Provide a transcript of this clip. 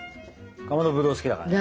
かまどぶどう好きだからね。